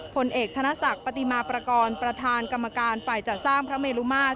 ผลเอกธนศักดิ์ปฏิมาประกอบประธานกรรมการฝ่ายจัดสร้างพระเมลุมาตร